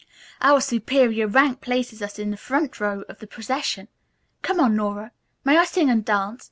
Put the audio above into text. Our superior rank places us in the front row of the procession. Come on, Nora. May I sing and dance?